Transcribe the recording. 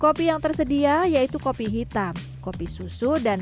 kopi yang tersedia yaitu kopi hitam kopi susu dan minuman yang lainnya